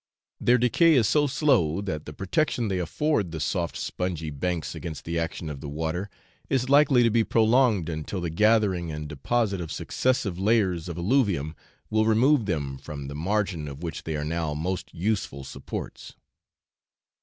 Their decay is so slow that the protection they afford the soft spongy banks against the action of the water, is likely to be prolonged until the gathering and deposit of successive layers of alluvium will remove them from the margin of which they are now most useful supports.